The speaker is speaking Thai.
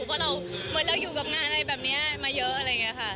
เพราะเราเหมือนเราอยู่กับงานอะไรแบบนี้มาเยอะอะไรอย่างนี้ค่ะ